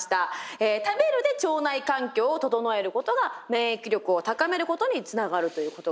食べるで腸内環境を整えることが免疫力を高めることにつながるということが分かりましたね。